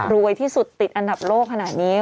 ที่สุดติดอันดับโลกขนาดนี้